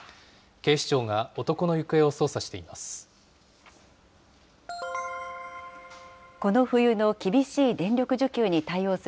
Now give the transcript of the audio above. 警視庁が、男の行方を捜査しています。